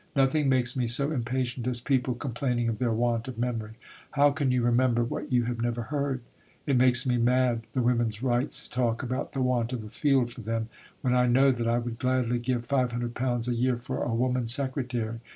Nothing makes me so impatient as people complaining of their want of memory. How can you remember what you have never heard?... It makes me mad, the Women's Rights talk about "the want of a field" for them when I know that I would gladly give £500 a year for a Woman Secretary.